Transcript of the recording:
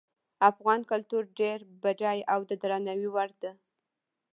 افغان کلتور ډیر بډایه او د درناوي وړ ده